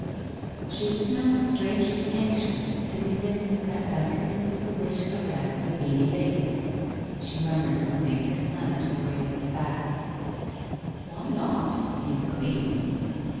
She was now strangely anxious to convince him that Dyconson's foolish caress had been evaded. She murmured something explanatory of the facts. 'Why not? He's clean!'